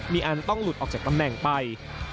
มีอันต้องหลุดออกจากตำแหน่งไป